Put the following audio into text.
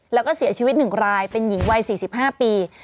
แล้วก็เสียชีวิต๑รายเป็นหญิงวัย๔๕ปี